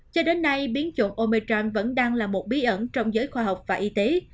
cho đến nay biến chủng omecham vẫn đang là một bí ẩn trong giới khoa học và y tế